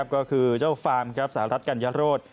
ก็คือเจ้าฟาร์มสหรัฐกัญญาโรธ